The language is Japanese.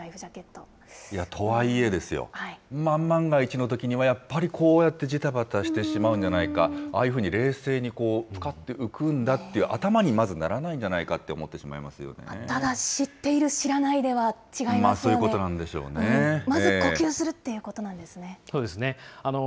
とはいえですよ、万万が一のときにはやっぱりこうやってじたばたしてしまうんじゃないか、ああいうふうに冷静に浮くんだっていう頭にまずならないんじゃないただ知っている、知っていなまあ、そういうことなんでしまず呼吸するっていうことなそうですね。